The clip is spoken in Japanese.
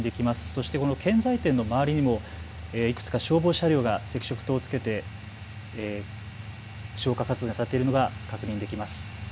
そしてこの建材店の周りにもいくつか消防車両が赤色灯をつけて消火活動にあたっているのが確認できます。